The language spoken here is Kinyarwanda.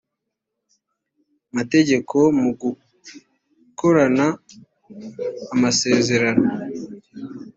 mategeko mu gukorana amasezerano